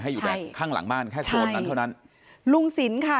อยู่แต่ข้างหลังบ้านแค่โซนนั้นเท่านั้นลุงสินค่ะ